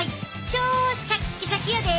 超シャッキシャキやで！